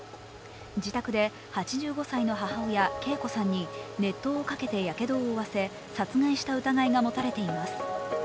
自宅で、８５歳の母親、桂子さんに熱湯をかけてやけどを負わせ殺害した疑いが持たれています。